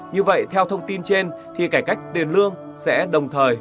như vậy theo thông tin trên thì cải cách tiền lương sẽ đồng thời